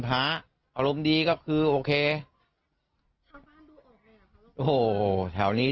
จะมาต่อยเหล่าเนี้ย